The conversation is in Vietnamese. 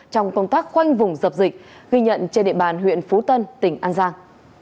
trong công tác khoanh vùng dập dịch ghi nhận trên địa bàn huyện phú tân tỉnh an giang